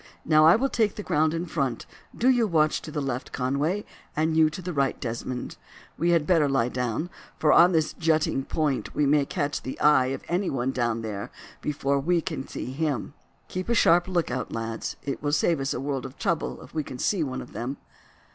Now, I will take the ground in front; do you watch to the left, Conway, and you to the right, Desmond. We had better lie down, for on this jutting point we may catch the eye of anyone down there before we can see him. Keep a sharp look out, lads; it will save us a world of trouble if we can see one of them."